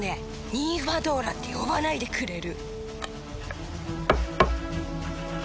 ニンファドーラって呼ばないでくれる！？